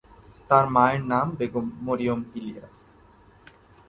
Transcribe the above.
তার মায়ের নাম বেগম মরিয়ম ইলিয়াস।